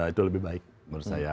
itu lebih baik menurut saya